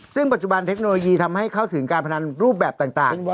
ซึ่งปัจจุบันเทคโนโลยีทำให้เข้าถึงการพนันรูปแบบต่าง